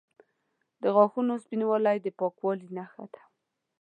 د غاښونو سپینوالی د پاکوالي نښه ده.